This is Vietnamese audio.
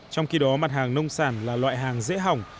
trong khi đó mặt hàng nông sản là loại hàng dễ hỏng